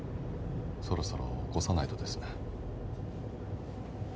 そろそろ起こさないとですね